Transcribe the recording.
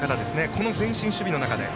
この前進守備で。